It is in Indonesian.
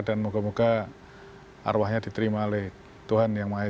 dan moga moga arwahnya diterima oleh tuhan yang maha esa